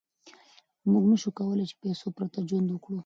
موږ نشو کولای له پیسو پرته ژوند وکړو.